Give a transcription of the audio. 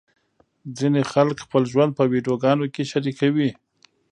ځینې خلک خپل ژوند په ویډیوګانو کې شریکوي.